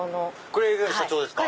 これが社長ですか。